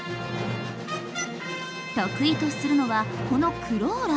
得意とするのはこのクローラー。